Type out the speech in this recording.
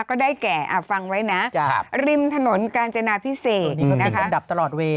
ก็ได้แก่ฟังไว้นะริมถนนกาญจนาพิเศษดับตลอดเวย์